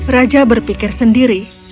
raja berpikir sendiri